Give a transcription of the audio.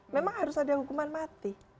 memang harus ada hukuman mati